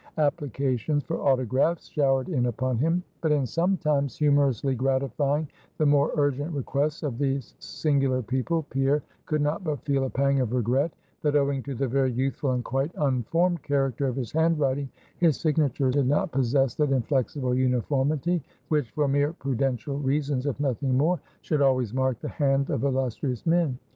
Applications for autographs showered in upon him; but in sometimes humorously gratifying the more urgent requests of these singular people Pierre could not but feel a pang of regret, that owing to the very youthful and quite unformed character of his handwriting, his signature did not possess that inflexible uniformity, which for mere prudential reasons, if nothing more should always mark the hand of illustrious men.